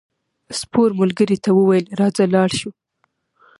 سپور ملګري ته وویل راځه لاړ شو.